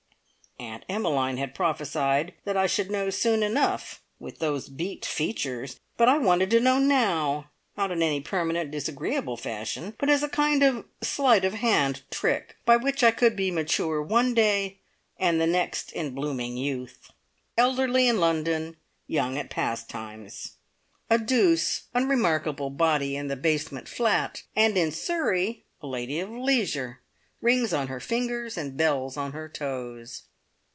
Aunt Emmeline had prophesied that I should know soon enough, "with those beaked features," but I wanted to know now, not in any permanent, disagreeable fashion, but as a kind of sleight of hand trick, by which I could be mature one day and the next in blooming youth. Elderly in London, young at Pastimes. A douce, unremarkable "body" in the basement flat, and in Surrey a lady of leisure, rings on her fingers and bells on her toes!